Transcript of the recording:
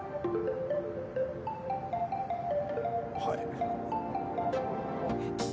はい。